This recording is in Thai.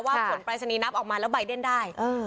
ว่าผลปลายสนินับออกมาแล้วใบเด้นได้เออ